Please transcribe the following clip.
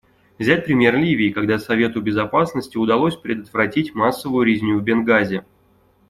Взять пример Ливии, когда Совету Безопасности удалось предотвратить массовую резню в Бенгази.